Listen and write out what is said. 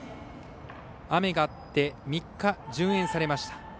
雨があって３日順延されました。